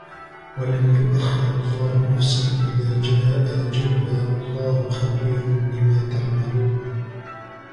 وَلَنْ يُؤَخِّرَ اللَّهُ نَفْسًا إِذَا جَاءَ أَجَلُهَا وَاللَّهُ خَبِيرٌ بِمَا تَعْمَلُونَ